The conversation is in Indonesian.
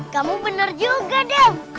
kamu benar juga dam